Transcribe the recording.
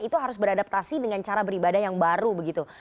itu harus beradaptasi dengan cara beribadah yang baru begitu